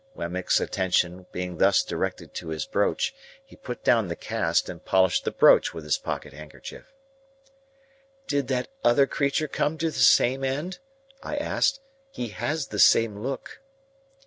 Wemmick's attention being thus directed to his brooch, he put down the cast, and polished the brooch with his pocket handkerchief. "Did that other creature come to the same end?" I asked. "He has the same look."